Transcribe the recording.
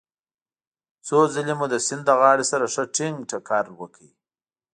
څو ځلې مو د سیند له غاړې سره ښه ټينګ ټکر وکړ.